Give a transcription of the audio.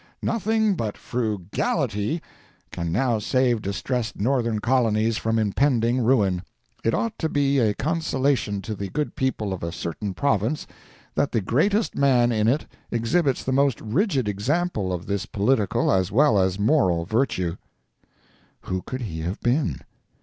"Nothing but FRUGALITY can now save distress'd northern colonies from impending ruin. It ought to be a consolation to the good people of a certain province that the greatest man in it exhibits the most rigid example of this political as well as moral virtue." Who could he have been?